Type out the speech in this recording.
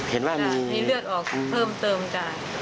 เห็นว่ามีเลือดออกเพิ่มเติมจาก